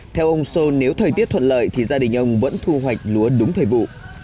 theo ông sơn nếu thời tiết thuận lợi thì gia đình ông vẫn thu hoạch lúa đúng thời vụ